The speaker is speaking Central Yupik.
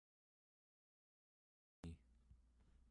akunaluni